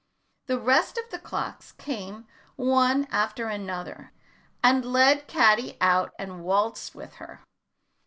The rest of the clocks came one after another and led Caddy out and waltzed with her.